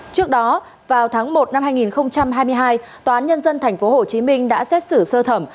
trước đó vào tháng một năm hai nghìn hai mươi hai tòa án nhân dân tp hcm đã xét xử sơ thẩm